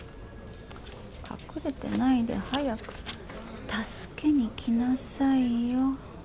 隠れてないで早く助けに来なさいよ。